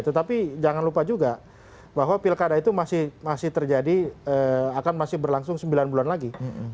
tetapi jangan lupa juga bahwa pilkada itu masih terjadi akan masih berlangsung sembilan bulan lagi